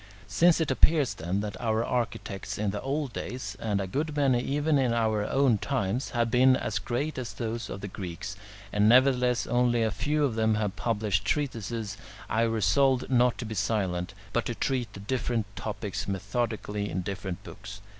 Since it appears, then, that our architects in the old days, and a good many even in our own times, have been as great as those of the Greeks, and nevertheless only a few of them have published treatises, I resolved not to be silent, but to treat the different topics methodically in different books.